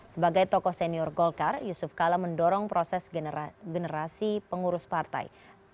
sebagai tokoh senior golkar yusuf kala mendorong proses generasi pengurus partai